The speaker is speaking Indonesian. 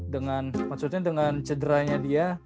dengan maksudnya dengan cederanya dia